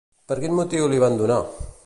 Per quin motiu li van donar?